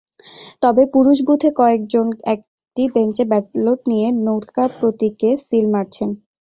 তবে পুরুষ বুথে কয়েকজন একটি বেঞ্চে ব্যালট নিয়ে নৌকা প্রতীকে সিল মারছেন।